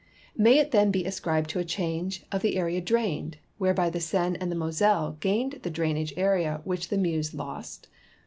May it then be ascribed to a change of the area drained, Avhereby the Seine and the Moselle gained the drainage area which the Meuse lost?